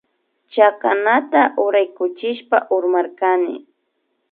Chakanata uraykuchishpa urmarkani